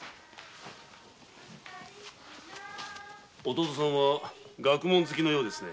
弟さんは学問好きのようですね。